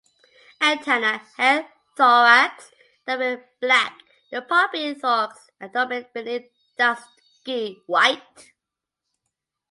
Antennae, head, thorax and abdomen black; the palpi, thorax and abdomen beneath dusky white.